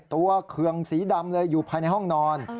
เคืองสีดำเลยอยู่ภายในห้องนอน